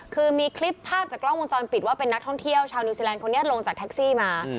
คือมีคลิปภาพจากกล้องวงจรปิดว่าเป็นนักท่องเที่ยวชาวนิวซีแลนด์คนนี้ลงจากแท็กซี่มา